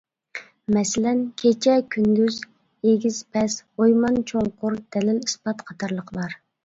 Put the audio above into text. مەسىلەن: كېچە-كۈندۈز، ئېگىز-پەس، ئويمان-چوڭقۇر، دەلىل-ئىسپات قاتارلىقلار.